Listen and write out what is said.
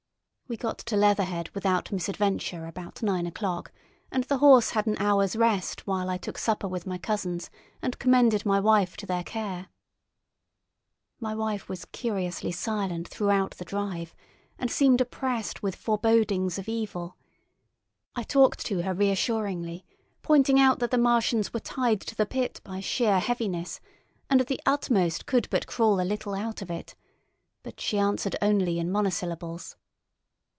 We got to Leatherhead without misadventure about nine o'clock, and the horse had an hour's rest while I took supper with my cousins and commended my wife to their care. My wife was curiously silent throughout the drive, and seemed oppressed with forebodings of evil. I talked to her reassuringly, pointing out that the Martians were tied to the pit by sheer heaviness, and at the utmost could but crawl a little out of it; but she answered only in monosyllables.